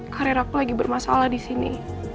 karir aku lagi bermasalah disini